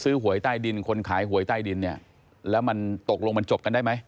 หวยใต้ดินคนขายหวยใต้ดินเนี่ยแล้วมันตกลงมันจบกันได้ไหม